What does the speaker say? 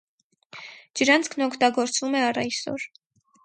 Ջրանցքն օգտագործվում է առ այսօր։